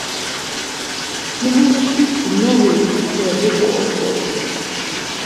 Cuma muşikti noğiru t̆ufeği do ot̆ǩoçu.